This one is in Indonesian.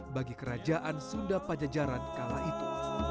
bagi kerajaan sunda pajajaran kala itu